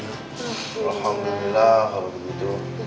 alhamdulillah kalau begitu